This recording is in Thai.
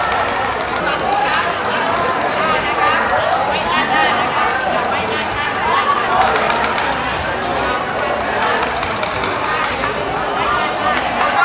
เป็นสิ่งที่น่าสำหรับคนอื่นหรือเป็นสิ่งที่น่าสำหรับคนเดียว